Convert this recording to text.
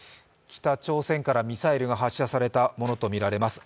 北朝鮮からミサイルが発射されたものとみられます。